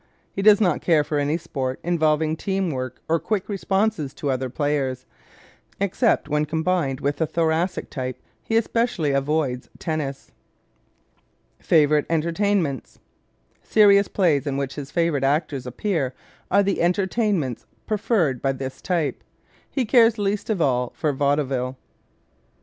He does not care for any sport involving team work or quick responses to other players. Except when combined with the Thoracic type he especially avoids tennis. Favorite Entertainments ¶ Serious plays in which his favorite actors appear are the entertainments preferred by this type. He cares least of all for vaudeville.